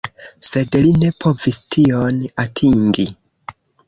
Sed li ne povis tion atingi.